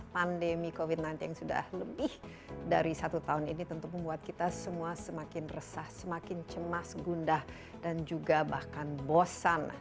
pandemi covid sembilan belas yang sudah lebih dari satu tahun ini tentu membuat kita semua semakin resah semakin cemas gundah dan juga bahkan bosan